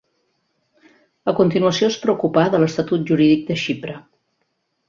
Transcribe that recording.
A continuació es preocupà de l'estatut jurídic de Xipre.